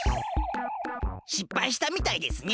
しっぱいしたみたいですね。